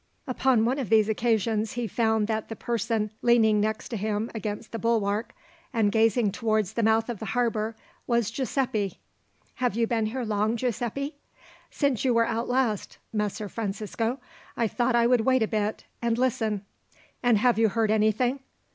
Upon one of these occasions he found that the person leaning next to him against the bulwark, and gazing towards the mouth of the harbour, was Giuseppi. "Have you been here long, Giuseppi?" "Since you were out last, Messer Francisco. I thought I would wait a bit, and listen." "And have you heard anything?"